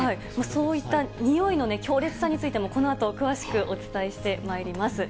そういった臭いの強烈さについても、このあと、詳しくお伝えしてまいります。